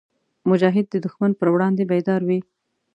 مجاهد د دښمن پر وړاندې بیدار وي.